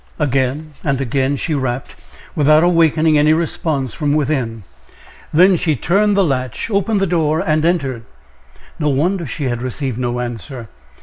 Again and again she rapped, without awakening any response from within. Then she turned the latch, opened the door, and entered. No wonder she had received no answer.